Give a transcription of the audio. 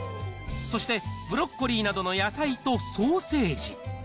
そしてブロッコリーなどの野菜とソーセージ。